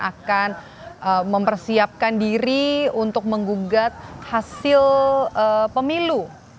akan mempersiapkan diri untuk menggugat hasil pemilu